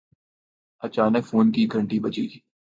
اچانک فون کی گھنٹی بجی